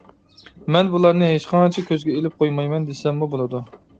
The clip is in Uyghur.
مەن بۇلارنى ھېچقانچە كۆزگە ئىلىپ قويمايمەن دېسەممۇ بولىدۇ.